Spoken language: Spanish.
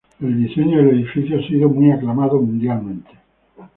El diseño del edificio ha sido muy aclamado mundialmente.